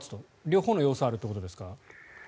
両方の要素があるということですか？